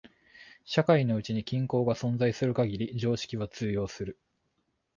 社会のうちに均衡が存在する限り常識は通用する。